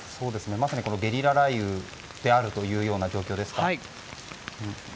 まさにゲリラ雷雨であるという状況ですか。